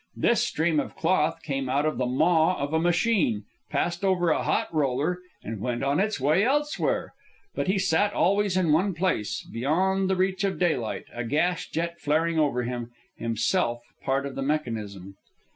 This stream of cloth came out of the maw of a machine, passed over a hot roller, and went on its way elsewhere. But he sat always in one place, beyond the reach of daylight, a gas jet flaring over him, himself part of the mechanism.